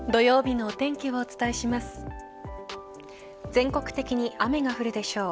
全国的に雨が降るでしょう。